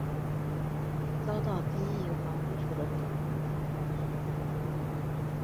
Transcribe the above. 并遭到第一银行为首的公营银行团宣告违约。